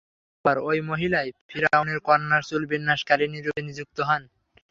অতঃপর ঐ মহিলাই ফিরআউনের কন্যার চুল বিন্যাসকারিণী রূপে নিযুক্ত হন।